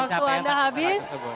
waktu anda habis